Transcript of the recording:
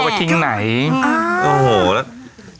พี่ถามว่าเอาไว้ทิ้งไหน